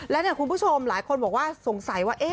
แล้วเนี่ยคุณผู้ชมหลายคนบอกว่าสงสัยว่า